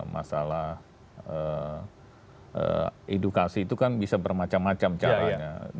masalah edukasi itu kan bisa bermacam macam caranya